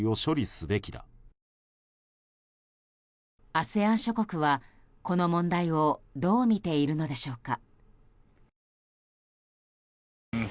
ＡＳＥＡＮ諸国は、この問題をどう見ているのでしょうか。